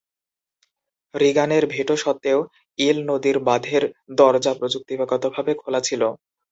রিগানের veto সত্ত্বেও, Eel নদীর বাঁধের দরজা প্রযুক্তিগতভাবে খোলা ছিল।